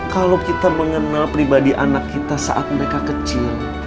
kalau kita mengenal pribadi anak kita saat mereka kecil